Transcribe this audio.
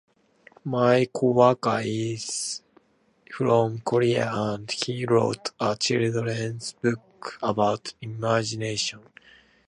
My coworker is from Korea and he wrote a children's book about immigration.